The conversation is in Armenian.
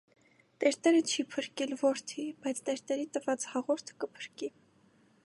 - Տերտերը չի փրկիլ, որդի, բայց տերտերի տված հաղորդը կփրկի: